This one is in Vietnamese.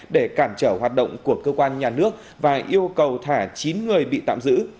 để cản trở hoạt động của cơ quan nhà nước và yêu cầu thả chín người bị tạm giữ